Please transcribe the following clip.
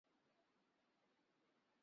它们有的提供实体空间。